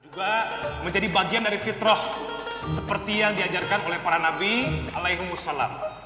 juga menjadi bagian dari fitroh seperti yang diajarkan oleh para nabi alaihimussalam